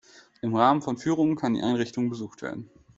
Im Rahmen von Führungen kann die Einrichtung besucht werden.